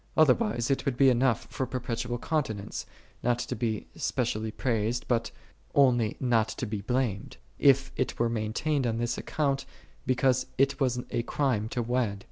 Otherwise it would be enough for perpetual continence, not to be specially praised, but only not to be blamed: if it were maintained on this account, because it was a crime to wed.